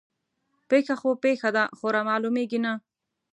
پيښه خو پيښه ده خو رامعلومېږي نه